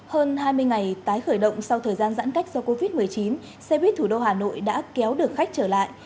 hơn hai mươi ngày tái khởi động sau thời gian giãn cách do covid một mươi chín xe buýt thủ đô hà nội đã kéo được khách trở lại